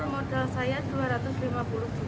modal saya dua ratus lima puluh juta